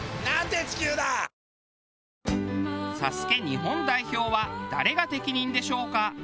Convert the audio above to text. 『ＳＡＳＵＫＥ』日本代表は誰が適任でしょうか？